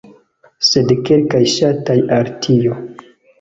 Sed kelkaj ŝatas al tio.